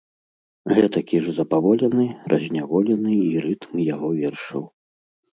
Гэтакі ж запаволены, разняволены і рытм яго вершаў.